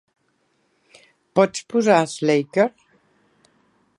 Pots posar Slacker?